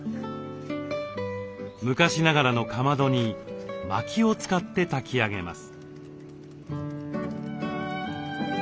昔ながらのかまどにまきを使って炊き上げます。